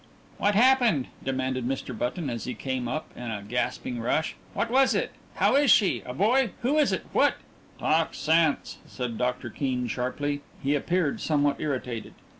"What happened?" demanded Mr. Button, as he came up in a gasping rush. "What was it? How is she? A boy? Who is it? What " "Talk sense!" said Doctor Keene sharply. He appeared somewhat irritated.